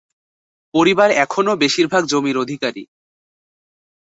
পরিবার এখনও বেশিরভাগ জমির অধিকারী।